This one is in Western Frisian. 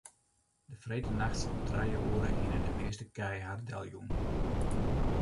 De freedtenachts om trije oere hiene de measte kij har deljûn.